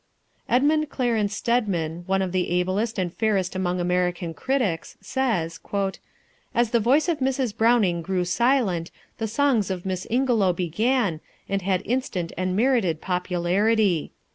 Edmund Clarence Stedman, one of the ablest and fairest among American critics, says: "As the voice of Mrs. Browning grew silent, the songs of Miss Ingelow began, and had instant and merited popularity.